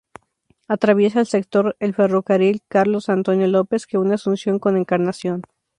Atraviesa el sector el ferrocarril Carlos Antonio López, que une Asunción con Encarnación.